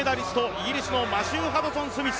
イギリスのマシュー・ハドソンスミス。